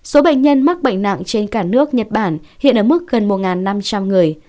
số bệnh nhân mắc bệnh nặng trên cả nước nhật bản hiện ở mức gần một năm trăm linh người